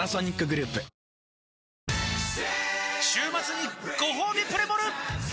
週末にごほうびプレモル！